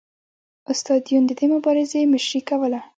استاد یون د دې مبارزې مشري کوله